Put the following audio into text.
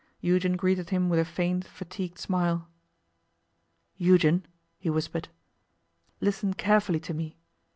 Eugen greeted him with a faint, fatigued smile. 'Eugen,' he whispered, 'listen carefully to me.